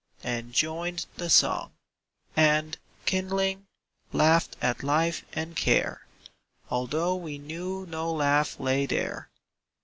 —and joined the song; And, kindling, laughed at life and care, Although we knew no laugh lay there.